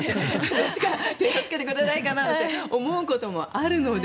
どっちか点差をつけてくれないかなって思うこともあるので。